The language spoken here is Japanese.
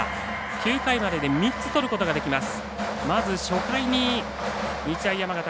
９回までで３つとることができます。